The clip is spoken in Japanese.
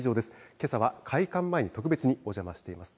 けさは開館前に特別にお邪魔しています。